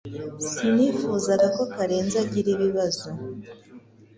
Sinifuzaga ko Karenzi agira ibibazo